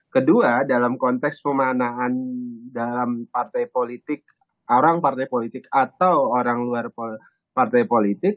kedua dalam konteks pemanahan dalam partai politik orang partai politik atau orang luar partai politik